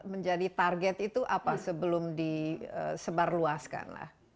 menjadi target itu apa sebelum disebarluaskan